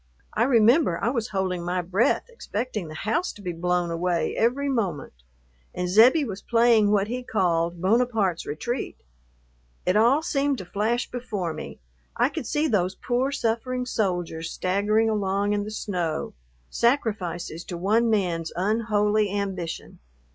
I remember I was holding my breath, expecting the house to be blown away every moment, and Zebbie was playing what he called "Bonaparte's Retreat." It all seemed to flash before me I could see those poor, suffering soldiers staggering along in the snow, sacrifices to one man's unholy ambition.